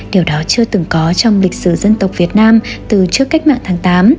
điều đó chưa từng có trong lịch sử dân tộc việt nam từ trước cách mạng tháng tám